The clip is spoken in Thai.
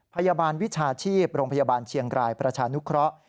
พยาบาลวิชาชีพโรงพยาบาลเชียงรายประชานุเคราะห์